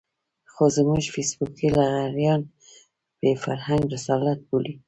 خو زموږ فېسبوکي لغړيان يې فرهنګي رسالت بولي.